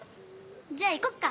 じゃあ行こっか。